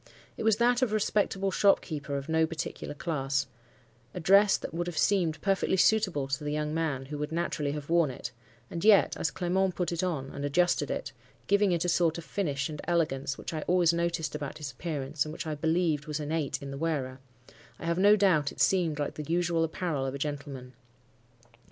It was that of a respectable shopkeeper of no particular class; a dress that would have seemed perfectly suitable to the young man who would naturally have worn it; and yet, as Clement put it on, and adjusted it—giving it a sort of finish and elegance which I always noticed about his appearance and which I believed was innate in the wearer—I have no doubt it seemed like the usual apparel of a gentleman.